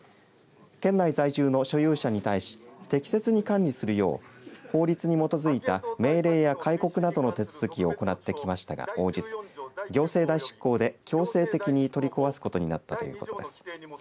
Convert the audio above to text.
県内在住の所有者に対し適切に管理するよう法律に基づいた命令や戒告などの手続きを行ってきましたが応じず行政代執行で強制的に取り壊すことになったということです。